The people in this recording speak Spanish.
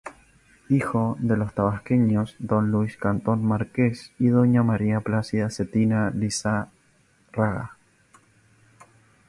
Hijo de los tabasqueños Don Luis Cantón Márquez y Doña María Plácida Zetina Lizárraga.